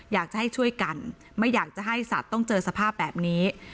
อยากจะให้ช่วยกันไม่อยากจะให้สัตว์ต้องเจอสภาพแบบนี้